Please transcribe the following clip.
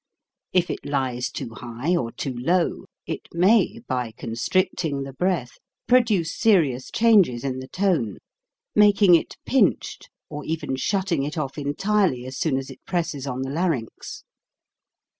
If it lies too high or too low, it may, by constrict ing the breath, produce serious changes in the tone, making it pinched or even shutting it off entirely as soon as it presses on the larynx.